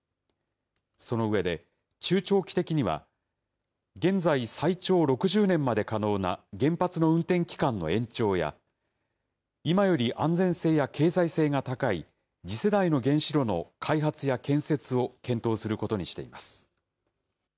その上で、中長期的には現在、最長６０年まで可能な原発の運転期間の延長や、今より安全性や経済性が高い次世代の原子炉の開発や建設を検討することにしています。